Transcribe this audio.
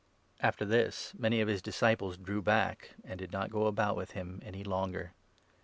After this many of his disciples drew back, and did not go about with him any longer.